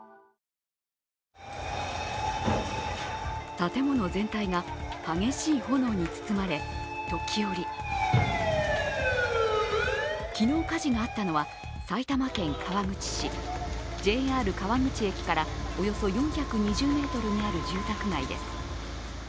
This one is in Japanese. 建物全体が激しい炎に包まれ、時折昨日火事があったのは、埼玉県川口市ＪＲ川口駅からおよそ４２０ｍにある住宅街です。